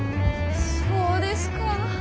そうですか。